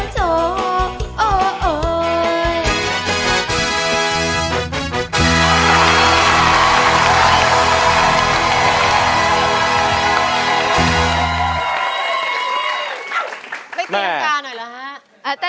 ไม่ต้องการหน่อยเหรอฮะ